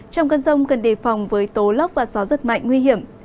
trong cơn rông cần đề phòng với tố lốc và gió rất mạnh nguy hiểm